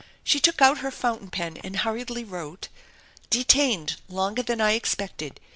She took out her fountain pen and hurriedly wrote: "Detained longer than I expected.